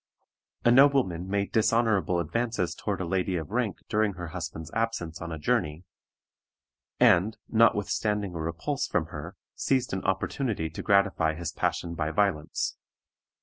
A nobleman made dishonorable advances toward a lady of rank during her husband's absence on a journey, and, notwithstanding a repulse from her, seized an opportunity to gratify his passion by violence.